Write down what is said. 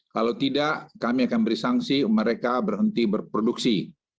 kalau tidak kami akan beri sanksi mereka berhenti berproduksi